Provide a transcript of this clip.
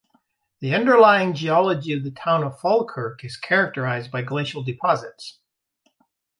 The underlying geology of the town of Falkirk is characterised by glacial deposits.